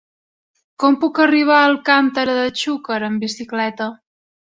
Com puc arribar a Alcàntera de Xúquer amb bicicleta?